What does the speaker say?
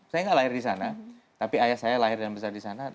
saya nggak lahir di sana tapi ayah saya lahir dan besar di sana